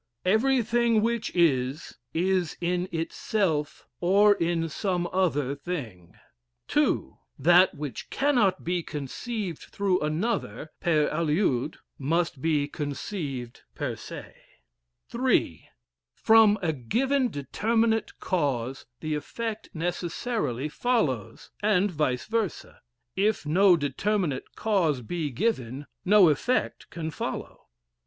Everything which is, is in itself, or in some other thing. II. That which cannot be conceived through another, per aliud must be conceived, per se. III. From a given determinate cause the effect necessarily follows, and vice versa. If no determinate cause be given, no effect can follow.